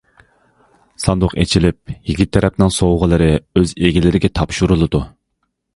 ساندۇق ئېچىلىپ يىگىت تەرەپنىڭ سوۋغىلىرى ئۆز ئىگىلىرىگە تاپشۇرۇلىدۇ.